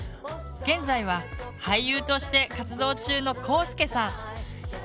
現在は俳優として活動中のこうすけさん。